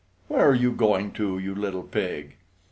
Where are you going to, you little pig?